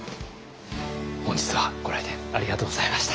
本日はご来店ありがとうございました。